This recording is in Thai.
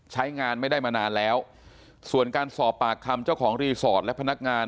ใช้งานไม่ได้มานานแล้วส่วนการสอบปากคำเจ้าของรีสอร์ทและพนักงาน